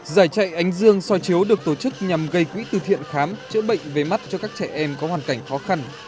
giải chạy ánh dương soi chiếu được tổ chức nhằm gây quỹ từ thiện khám chữa bệnh về mắt cho các trẻ em có hoàn cảnh khó khăn